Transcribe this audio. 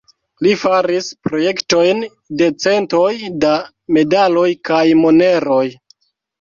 Li faris projektojn de centoj da medaloj kaj moneroj.